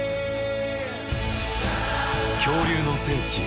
恐竜の聖地